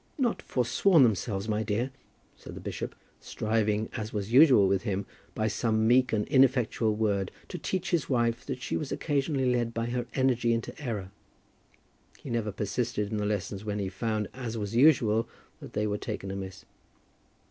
"Not forsworn themselves, my dear," said the bishop, striving, as was usual with him, by some meek and ineffectual word to teach his wife that she was occasionally led by her energy into error. He never persisted in the lessons when he found, as was usual, that they were taken amiss.